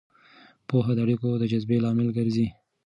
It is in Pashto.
پوهه د اړیکو د جذبې لامل ګرځي.